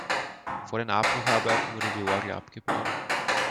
Vor den Abbrucharbeiten wurde die Orgel abgebaut.